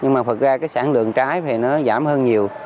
nhưng mà thật ra cái sản lượng trái thì nó giảm hơn nhiều